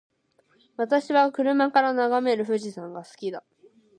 私は車から眺める富士山が好きだ。